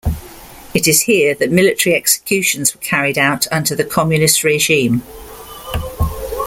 It is here that military executions were carried out under the communist regime.